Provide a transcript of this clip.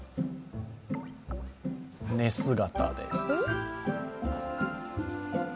寝姿です。